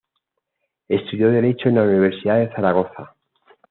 Estudió Derecho en la Universidad de Zaragoza.